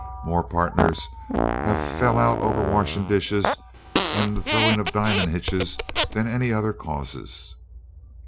"More pardners has fell out over dish washin' and the throwin' of diamond hitches than any other causes."